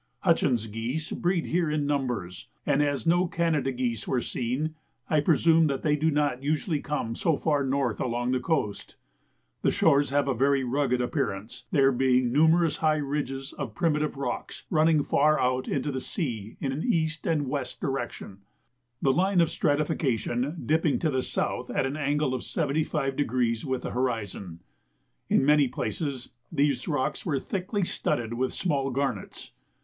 Hutchins geese breed here in numbers, and as no Canada geese were seen, I presume that they do not usually come so far north along the coast. The shores have a very rugged appearance, there being numerous high ridges of primitive rocks running far out into the sea in an east and west direction, the line of stratification dipping to the south at an angle of 75° with the horizon. In many places these rocks were thickly studded with small garnets.